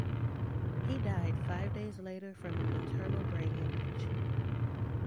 He died five days later from an internal brain hemorrhage.